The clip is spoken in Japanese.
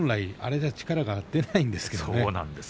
あれでは力が出ないんですよね。